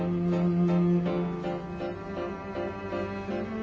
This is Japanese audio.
うん。